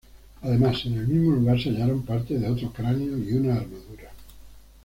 Además, en el mismo lugar se hallaron parte de otro cráneo y una armadura.